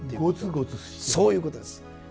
そういうことです。